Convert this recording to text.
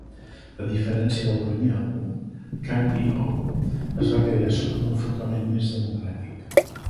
A diferència del primer àlbum, "Candy-O" es va crear sota un enfocament més democràtic.